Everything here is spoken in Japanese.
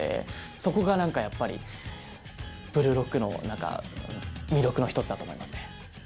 そこがやっぱり『ブルーロック』の魅力の一つだと思いますね。